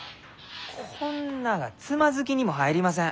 こんながつまずきにも入りません。